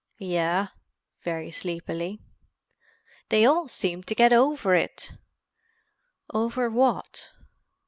"'Yeah,' very sleepily. "'They all seem to get over it!' "'Over what?'